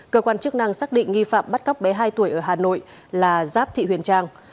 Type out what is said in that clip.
cơ quan chức năng xác định nghi phạm bắt cóc bé hai tuổi ở hà nội là giáp thị huyền trang